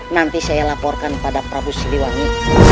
nanti saya laporkan pada prabu siliwangi